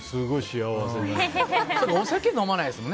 お酒飲まないですもんね